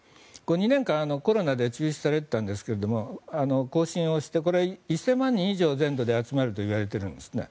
２年間、コロナで中止されていたんですが行進をして１０００万人以上全土で集まるといわれているんですね。